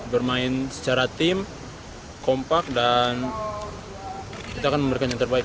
bermain secara tim kompak dan kita akan memberikan yang terbaik